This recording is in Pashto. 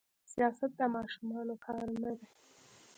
سياست د ماشومانو کار نه دي.